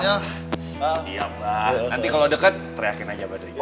nanti kalau deket teriakin aja padanya